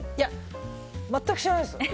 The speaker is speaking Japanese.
全く知らないです。